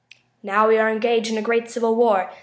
Now we are engaged in a great civil war.